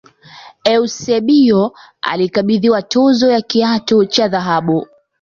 eusebio alikabidhiwa tuzo ya kiatu cha dhahabu